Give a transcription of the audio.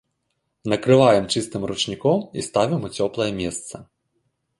Накрываем чыстым ручніком і ставім у цёплае месца.